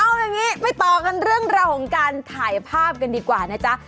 เอาอย่างนี้ไปต่อกันเรื่องราวของการถ่ายภาพกันดีกว่านะจ๊ะ